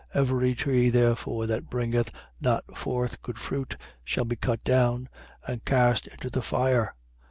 Every tree therefore that bringeth not forth good fruit shall be cut down and cast into the fire.